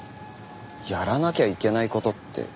やらなきゃいけない事って。